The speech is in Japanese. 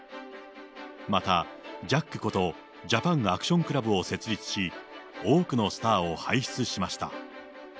また、ジャックことジャパン・アクション・クラブを設立し、多くのスターを輩出しました。